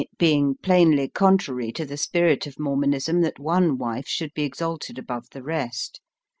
109 being plainly contrary to the spirit of Mor monism that one wife should be exalted above the rest.